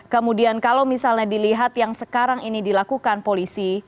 kemudian kalau misalnya dilihat yang sekarang ini dilakukan polisi